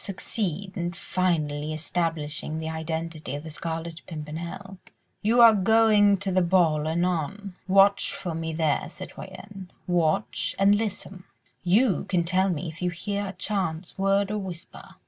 —succeed in finally establishing the identity of the Scarlet Pimpernel. ... You are going to the ball anon. ... Watch for me there, citoyenne, watch and listen. ... You can tell me if you hear a chance word or whisper.